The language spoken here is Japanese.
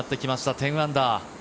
１０アンダー。